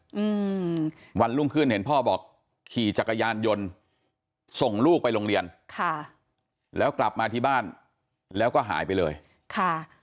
อืมวันรุ่งขึ้นเห็นพ่อบอกขี่จักรยานยนต์ส่งลูกไปโรงเรียนค่ะแล้วกลับมาที่บ้านแล้วก็หายไปเลยค่ะ